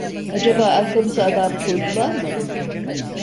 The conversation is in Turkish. Acaba arkamıza adam koydular mı?